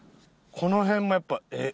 この辺もやっぱ。